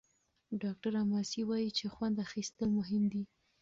ډاکټره ماسي وايي چې خوند اخیستل مهم دي.